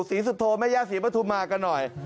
ศีสุโธมะย่าศีแบทุมากันหน่อย